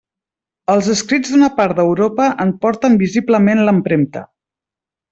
Els escrits d'una part d'Europa en porten visiblement l'empremta.